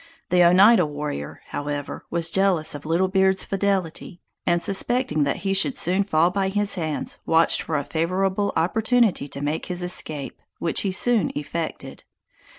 The Oneida warrior, however, was jealous of Little Beard's fidelity; and suspecting that he should soon fall by his hands, watched for a favorable opportunity to make his escape; which he soon effected.